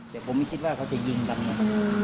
โดยผมไม่คิดว่าเขาจะยิงตรงเนี้ย